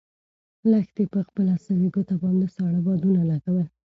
لښتې په خپله سوې ګوته باندې ساړه بادونه لګول.